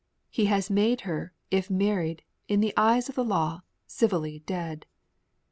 He has made her, if married, in the eyes of the law, civilly dead.